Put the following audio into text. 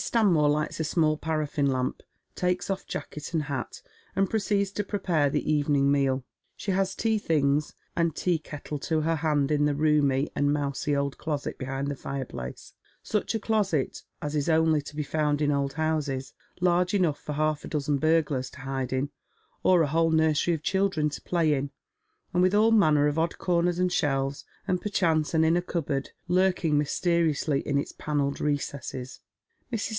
Stanmore lights a small parafline lamp, takes off jacket and hat, and proceeds to prepare the evening meal. She has tea things and tea kettle to her hand in the roomy and mousey old closet beside the fireplace — such a closet as is only to be found in old houses, large enough for half a dozen burglars to hide in, or a whole nursery of children to play in, and with all manner of odd corners and shelves, and perchance an inner cupboard lurking mysteriously in its panelled recesses. Mrs.